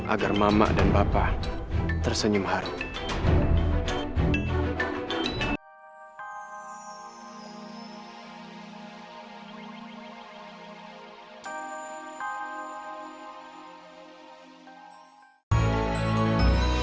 agar mama dan bapak tersenyum harum